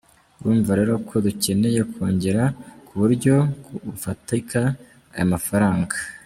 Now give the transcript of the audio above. Urumva rero ko dukeneye kongera ku buryo bufatika aya mafaranga.